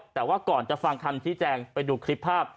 แต่ว่าก่อนจะฟังคำชี้แจงไปดูคลิปภาพ